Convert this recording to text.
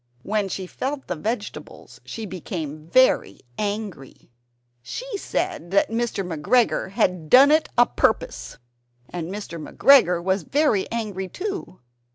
When she felt the vegetables she became very very angry. She said that Mr. McGregor had "done it a purpose." And Mr. McGregor was very angry too.